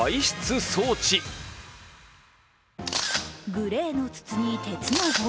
グレーの筒に鉄の棒。